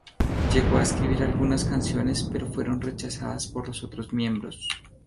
Llegó a escribir algunas canciones, pero fueron rechazadas por los otros miembros.